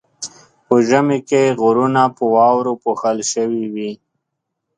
په ژمي کې غرونه په واورو پوښل شوي وي.